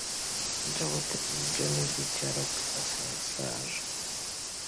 জগতে একজনই বিচারক আছেন, স্যার।